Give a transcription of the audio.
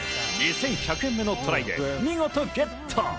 ２１００円目のトライで見事ゲット！